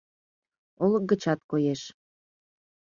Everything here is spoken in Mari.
Олык гычат коеш.